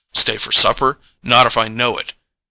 Stay for supper? Not if I know it!